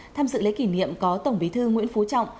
thăm dự lễ kỷ niệm của tổng bí thư nguyễn phú trọng